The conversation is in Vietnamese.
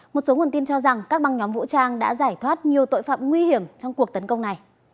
một số nguồn tin cho rằng các băng nhóm vũ trang đã giải thoát nhiều tội phạm nguy hiểm trong cuộc tấn công này